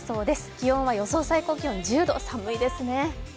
気温は予想最高気温１０度、寒いですね。